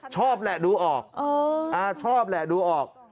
ชอบแหละดูออกชอบแหละดูออก